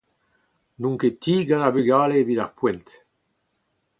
N’on ket tik gant ar vugale evit ar poent.